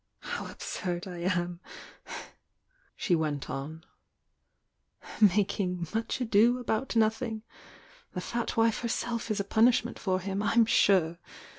"How absurd I am!" she THE YOUNG DIANA 201 went on— "making 'much ado about nothing!' The fat wife herself is a punishment for him, Tm sure!